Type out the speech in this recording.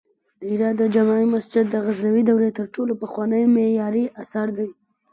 د هرات د جمعې مسجد د غزنوي دورې تر ټولو پخوانی معماری اثر دی